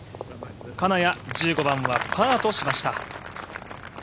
金谷、１５番はパーとしました。